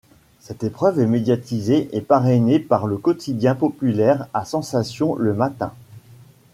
Cette épreuve est médiatisée et parrainée par le quotidien populaire à sensation le Matin.